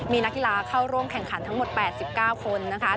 มีนักกีฬาเข้าร่วมแข่งขันทั้งหมด๘๙คน